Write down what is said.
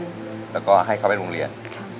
แล้วก็ว่าให้แม่เรียนแล้วก็ให้เข้าไปโรงเรียน